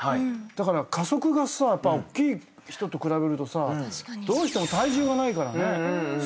だから加速が大きい人と比べるとどうしても体重がないから少し不利だよね。